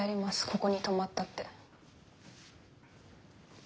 ここに泊まったって。